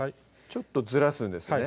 ちょっとずらすんですね